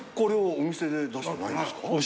お店で出してないです。